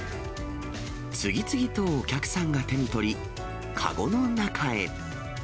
次々とお客さんが手に取り、籠の中へ。